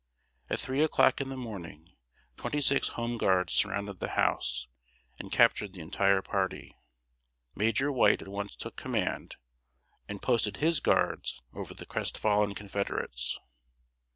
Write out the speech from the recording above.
At three o'clock in the morning, twenty six Home Guards surrounded the house, and captured the entire party. Major White at once took command, and posted his guards over the crestfallen Confederates.